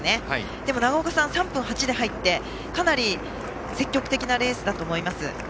でも長岡さんは３分８で入ってかなり積極的なレースだと思います。